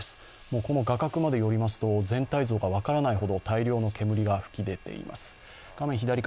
もうこの画角まで寄りますと全体像が分からないほど大量の煙が出ています。